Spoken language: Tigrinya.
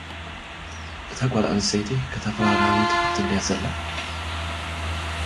እታ ጓልኣንስተይቲ፡ ከተፈራርሃኒ ትፍትን ድያ ዘላ?